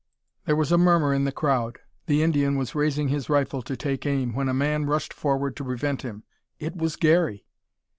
There was a murmur in the crowd. The Indian was raising his rifle to take aim, when a man rushed forward to prevent him. It was Garey!